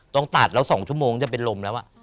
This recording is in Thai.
ต้องตัดแล้ว๒ชั่วโมงจะเป็นลมแล้ว